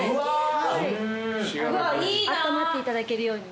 あったまっていただけるように。